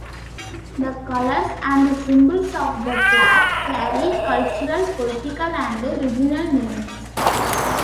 The colours and symbols of the flag carry cultural, political, and regional meanings.